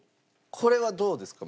これはどうですか？